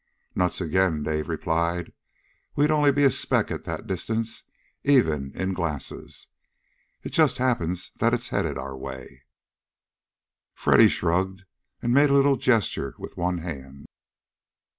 "Nuts again!" Dave replied. "We'd only be a speck at that distance, even in glasses. It just happens that it's heading our way." Freddy shrugged and made a little gesture with one hand.